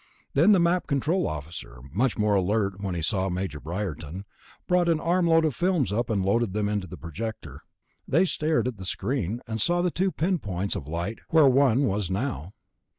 Then the Map Control officer ... much more alert when he saw Major Briarton ... brought an armload of films up and loaded them into the projector. They stared at the screen, and saw the two pinpoints of light where one was now.